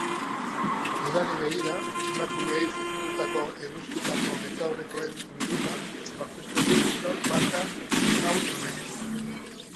Udari begira, emakumeei zuzendutako eguzkitako betaurrekoen bilduma aurkeztu du kirol-marka ezgaun honek.